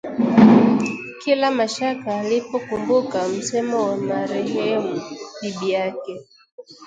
Kila Mashaka alipoukumbuka msemo wa marehemu bibi yake